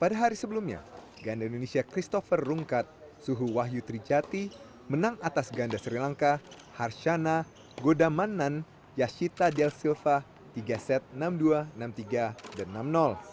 pada hari sebelumnya ganda indonesia christopher rungkat suhu wahyu trijati menang atas ganda sri lanka harsana godamanan yashita del silva dengan dua set yakni enam tiga dan enam